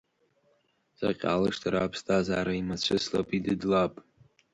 Саҟьалашт сара аԥсҭазаара, имацәыслап, идыдлап!